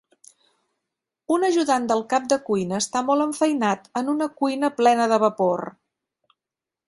Un ajudant del cap de cuina està molt enfeinat en una cuina plena de vapor.